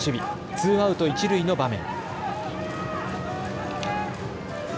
ツーアウト一塁の場面。